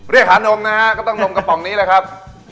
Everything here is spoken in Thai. เรียกหานมนะต้องนมกระป๋องนี้เลยครับ